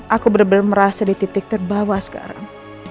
aku benar benar merasa di titik terbawa sekarang